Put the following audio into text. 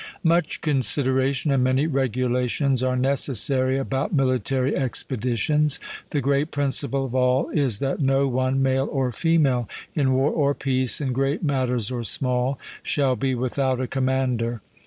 Much consideration and many regulations are necessary about military expeditions; the great principal of all is that no one, male or female, in war or peace, in great matters or small, shall be without a commander.